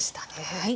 はい。